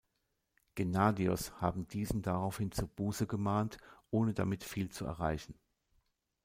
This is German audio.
Gennadios habe diesen daraufhin zur Buße gemahnt, ohne damit viel zu erreichen.